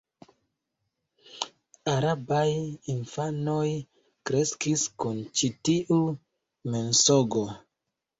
Arabaj infanoj kreskis kun ĉi tiu mensogo.